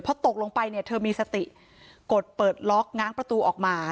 พอตกลงไปเนี่ยเธอมีสติกดเปิดล็อกง้างประตูออกมา